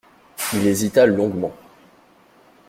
Il hésita longuement.